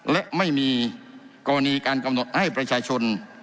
และไม่มีกรณีการกำหนดให้ประชาชน